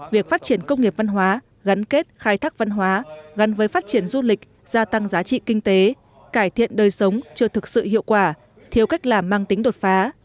việc phát triển công nghiệp văn hóa gắn kết khai thác văn hóa gắn với phát triển du lịch gia tăng giá trị kinh tế cải thiện đời sống chưa thực sự hiệu quả thiếu cách làm mang tính đột phá